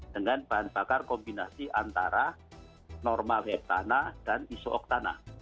dengan bahan bakar kombinasi antara norma heptana dan iso octana